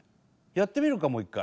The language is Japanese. やってみるかもう１回。